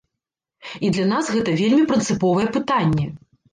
І для нас гэта вельмі прынцыповае пытанне.